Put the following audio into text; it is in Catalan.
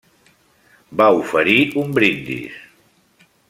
Va oferir un brindis.